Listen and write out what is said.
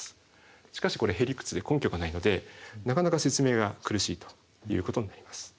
しかしこれヘリクツで根拠がないのでなかなか説明が苦しいということになります。